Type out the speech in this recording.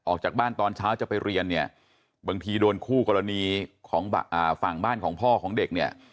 ออกจากบ้านตอนเช้าจะไปเรียนเนี่ยบางทีโดนคู่กรณีของฝั่งบ้านของพ่อของเด็กเนี่ย